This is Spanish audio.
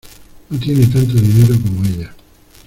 No tiene tanto dinero como ella.